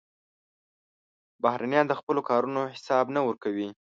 بهرنیان د خپلو کارونو حساب نه ورکوي.